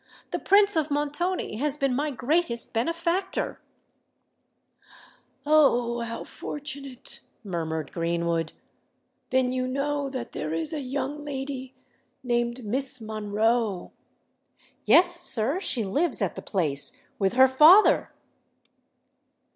The Prince of Montoni has been my greatest benefactor——" "Oh! how fortunate!" murmured Greenwood. "Then you know that there is a young lady named Miss Monroe——" "Yes, sir: she lives at the Place, with her father."